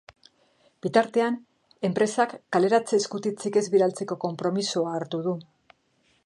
Bitartean, enpresak kaleratze-eskutitzik ez bidaltzeko konpromisoa hartu du.